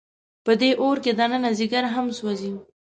په دې اور کې دننه ځیګر هم سوځي.